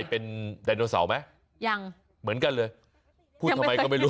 เป็นไดโนเสาร์ไหมยังเหมือนกันเลยพูดทำไมก็ไม่รู้